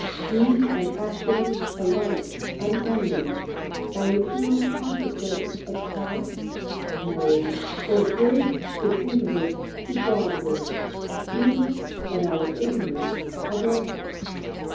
Deed and accident alike unending By eternal consequence of cause? No. For good is impetus to Godward; Evil, but our ignorance of laws.